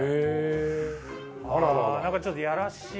ちょっとやらしい。